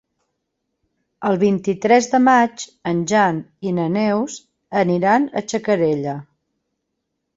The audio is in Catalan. El vint-i-tres de maig en Jan i na Neus aniran a Xacarella.